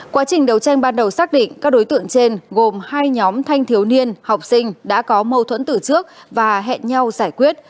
quá trình đấu tranh ban đầu xác định các đối tượng trên gồm hai nhóm thanh thiếu niên học sinh đã có mâu thuẫn tử trước và hẹn nhau giải quyết